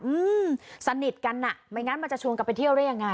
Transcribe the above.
อืมสนิทกันอ่ะไม่งั้นมันจะชวนกันไปเที่ยวได้ยังไง